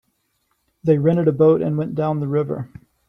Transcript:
They rented a boat and went down the river.